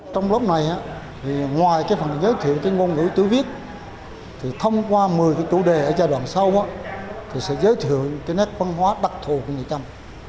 trong lớp này thì ngoài cái phần giới thiệu cái ngôn ngữ tử viết thì thông qua một mươi cái chủ đề ở giai đoạn sau thì sẽ giới thiệu cái nét văn hóa đặc thù của người trăm